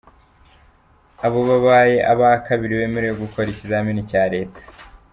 Abo babaye aba kabiri bemerewe gukora ikizamini cya Leta.